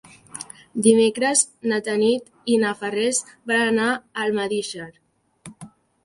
Dimecres na Tanit i na Farners van a Almedíxer.